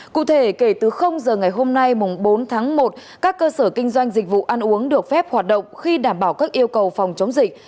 cụ thể kể từ giờ ngày hôm nay bốn tháng một các cơ sở kinh doanh dịch vụ ăn uống được phép hoạt động khi đảm bảo các yêu cầu phòng chống dịch